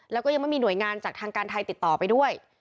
แล้วก็ยังไม่มีหน่วยงานจากทางการไทยติดต่อไปด้วย